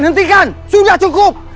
hentikan sudah cukup